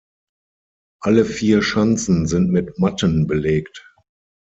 Alle vier Schanzen sind mit Matten belegt.